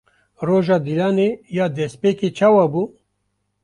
Roja Dîlanê ya destpêkê çawa bû?